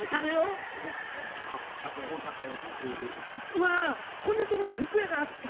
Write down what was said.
うわこんなとこに服屋があった。